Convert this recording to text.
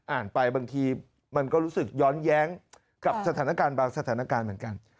ไปบางทีมันก็รู้สึกย้อนแย้งกับสถานการณ์บางสถานการณ์เหมือนกัน